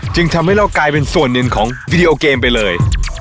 จึงทำให้เรากลายเป็นส่วนหนึ่งของวิดีโอเกมไปเลย